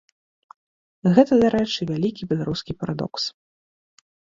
Гэта, дарэчы, вялікі беларускі парадокс.